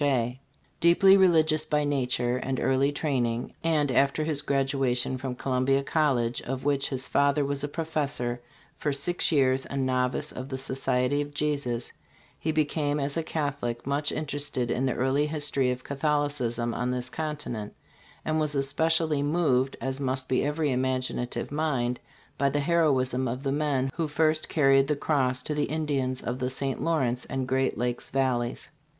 Deeply religious by nature and early training, and, after his graduation from Co 74 STARVED ROCK : A HISTORICAL SKETCH. lumbia College, of which his father was a professor, for six years a novice of the Society of Jesus, he became as a Catholic much interested in the early history of Catholicism on this continent, and was especially moved, as must be evety imaginative mind, by the heroism of the men who first carried the cross to the Indians of the St. Lawrence and Great Lakes valleys.